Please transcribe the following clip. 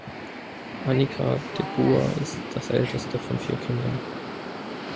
Annika de Buhr ist das älteste von vier Kindern.